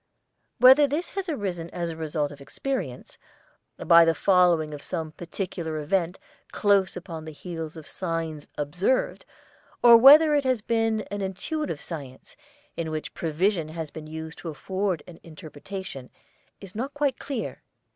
Whether this has arisen as the result of experience, by the following of some particular event close upon the heels of signs observed, or whether it has been an intuitive science, in which provision has been used to afford an interpretation, is not quite clear.